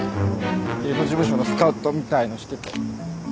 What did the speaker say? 芸能事務所のスカウトみたいのしてて。